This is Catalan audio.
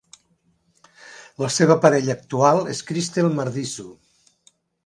La seva parella actual és Kristel Mardisoo.